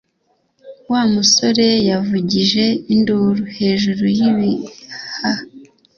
Wa musore yavugije induru hejuru y'ibihaha